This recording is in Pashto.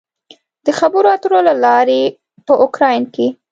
د خبرو اترو له لارې په اوکراین کې